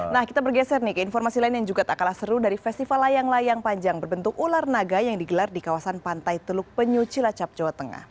nah kita bergeser nih ke informasi lain yang juga tak kalah seru dari festival layang layang panjang berbentuk ular naga yang digelar di kawasan pantai teluk penyu cilacap jawa tengah